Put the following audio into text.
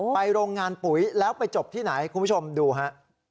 โรงงานปุ๋ยแล้วไปจบที่ไหนคุณผู้ชมดูฮะ